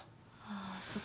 あそっか。